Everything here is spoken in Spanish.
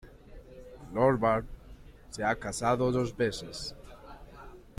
Lombard se ha casado dos veces.